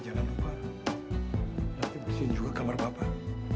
jangan lupa nanti bersihin juga kamar bapak